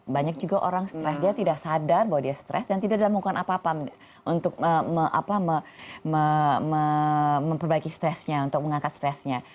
banyak juga orang stress dia tidak sadar bahwa dia stress dan tidak dalam kemungkinan apa apa untuk memperbaiki stressnya untuk mengangkat stressnya